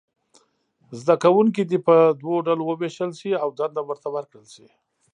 زده کوونکي دې په دوو ډلو وویشل شي او دنده ورته ورکړل شي.